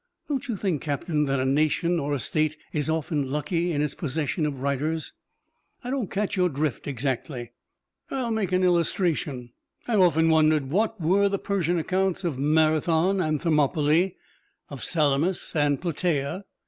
"Don't you think, Captain, that a nation or a state is often lucky in its possession of writers?" "I don't catch your drift exactly." "I'll make an illustration. I've often wondered what were the Persian accounts of Marathon and Thermopylae, of Salamis and Plataea.